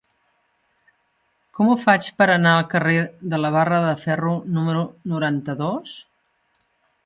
Com ho faig per anar al carrer de la Barra de Ferro número noranta-dos?